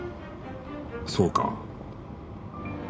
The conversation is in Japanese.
そうか。